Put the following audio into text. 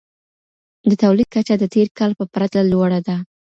د توليد کچه د تېر کال په پرتله لوړه ده.